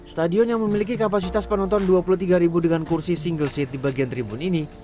stadion yang memiliki kapasitas penonton dua puluh tiga dengan kursi single seat di bagian tribun ini